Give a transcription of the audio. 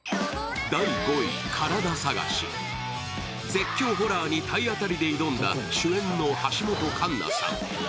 絶叫ホラーに体当たりで挑んだ主演の橋本環奈さん。